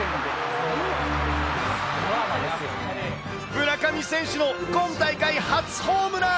村上選手の今大会初ホームラン。